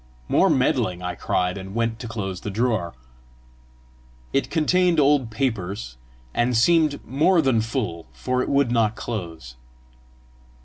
"More meddling!" I cried, and went to close the drawer. It contained old papers, and seemed more than full, for it would not close.